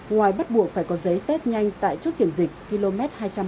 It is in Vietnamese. ngoài bắt buộc phải có giấy test nhanh tại chốt kiểm dịch km hai trăm ba mươi